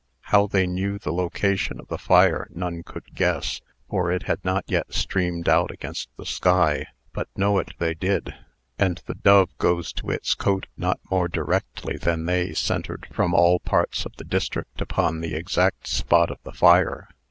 How they knew the location of the fire, none could guess, for it had not yet streamed out against the sky; but know it they did; and the dove goes to its cote not more directly than they centred from all parts of the district upon the exact spot of the fire.